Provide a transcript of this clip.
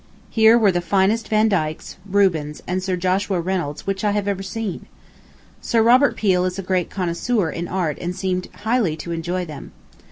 Here were the finest Vandykes, Rubens, and Sir Joshua Reynolds which I have seen. Sir Robert Peel is a great connoisseur in art and seemed highly to enjoy them.